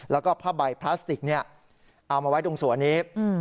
แล้วก็ผ้าใบพลาสติกเอามาไว้ตรงสวนนี้